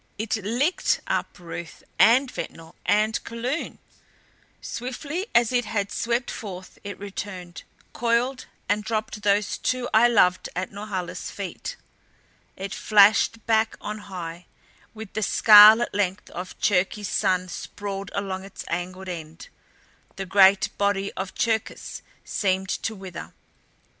It LICKED up Ruth and Ventnor and Kulun! Swiftly as it had swept forth it returned, coiled and dropped those two I loved at Norhala's feet. It flashed back on high with the scarlet length of Cherkis's son sprawled along its angled end. The great body of Cherkis seemed to wither.